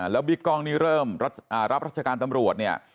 แล้วบิ๊กกลองนี้เริ่มรับรัชการตำรวจ